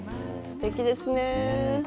すてきですね。